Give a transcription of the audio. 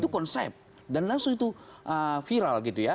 itu konsep dan langsung itu viral gitu ya